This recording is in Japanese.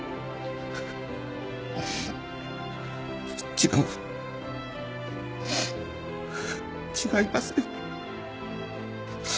違う違いますよ。